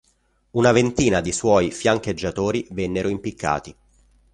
Una ventina di suoi fiancheggiatori vennero impiccati.